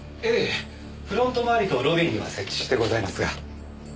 フロント周りとロビーには設置してございますが。